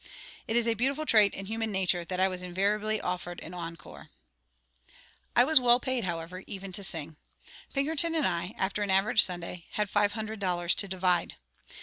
It is a beautiful trait in human nature that I was invariably offered an encore. I was well paid, however, even to sing. Pinkerton and I, after an average Sunday, had five hundred dollars to divide.